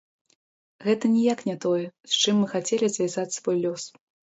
Гэта ніяк не тое, з чым мы хацелі звязаць свой лёс.